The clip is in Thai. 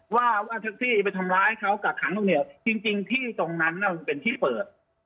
ว่าว่าแท็กซี่ไปทำร้ายเขากักขังตรงนี้จริงที่ตรงนั้นน่ะมันเป็นที่เปิด